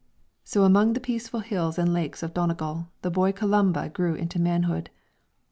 So among the peaceful hills and lakes of Donegal the boy Columba grew into manhood.